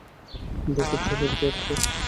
দেখে চলো, ড্রপখোর!